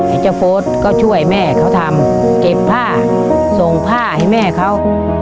ไอ้เจ้าโฟสก็ช่วยแม่เขาทำเก็บผ้าส่งผ้าให้แม่เขา